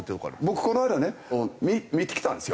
僕この間ね見てきたんですよ